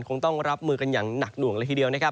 คงต้องรับมือกันอย่างหนักหน่วงเลยทีเดียวนะครับ